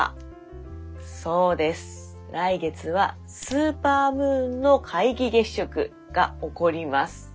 そうです来月はスーパームーンの皆既月食が起こります。